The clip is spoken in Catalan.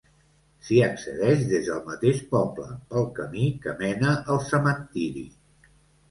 S'hi accedeix des del mateix poble, pel camí que mena al cementiri.